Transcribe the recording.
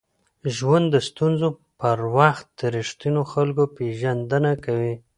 ژوند د ستونزو پر وخت د ریښتینو خلکو پېژندنه کوي.